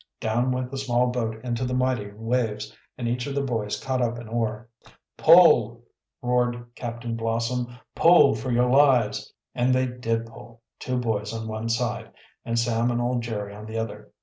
Down went the small boat into the mighty waves, and each of the boys caught up an oar. "Pull!" roared Captain Blossom. "Pull for your lives!" And they did pull, two boys on one side, and Sam and old Jerry on the other.